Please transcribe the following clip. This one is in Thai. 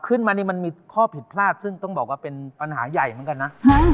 ขึ้นมานี่มันมีข้อผิดพลาดซึ่งต้องบอกว่าเป็นปัญหาใหญ่เหมือนกันนะ